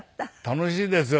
楽しいですよ